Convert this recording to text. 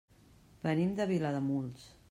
Venim de Vilademuls.